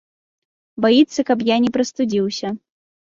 Баіцца, каб я не прастудзіўся.